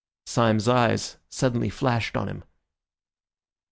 Syme's eyes suddenly flashed on him.